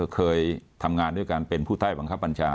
เคยทำงานด้วยกันเป็นผู้ใต้บังคับบัญชา